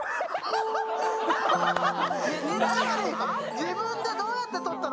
自分でどうやって撮ったの？